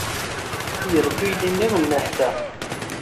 Iger-d uydi-nni nnehta.